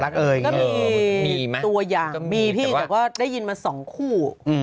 รักเอยมีมั้ยมีแต่ว่ามีพี่แต่ว่าได้ยินมา๒คู่